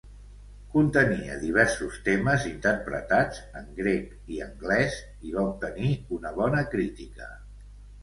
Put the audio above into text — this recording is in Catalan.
Contenia diversos temes interpretats en grec i anglès i va obtenir una bona crítica.